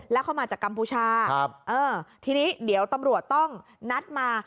แล้วเข้ามาจากกัมพูชาทีนี้เดี๋ยวตำรวจต้องนัดมา